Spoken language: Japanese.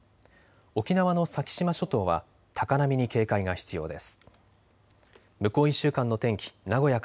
沖縄の先島諸島は高波に警戒が必要です。